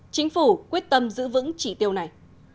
chính phủ quyết tâm giữ vững trị tiêu này